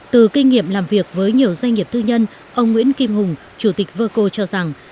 từ kinh nghiệm làm việc với nhiều doanh nghiệp tư nhân ông nguyễn kim hùng chủ tịch vơ cô cho rằng